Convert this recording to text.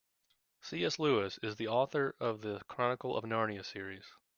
C.S. Lewis is the author of The Chronicles of Narnia series.